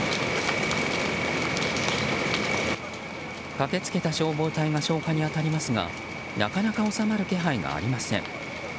駆け付けた消防隊が消火に当たりますがなかなか収まる気配がありません。